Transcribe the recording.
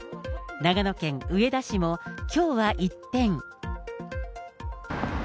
長野県上田市もきょうは一転。